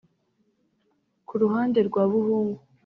Ku ruhande rwa Buhungu